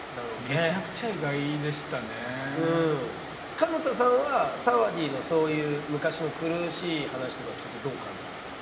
かな多さんはサワディーのそういう昔の苦しい話とか聞いてどう感じたんですか？